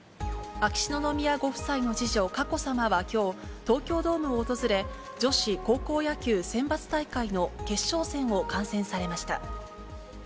秋篠宮ご夫妻の次女、佳子さまはきょう、東京ドームを訪れ、女子高校野球選抜大会の決勝戦を観戦されました。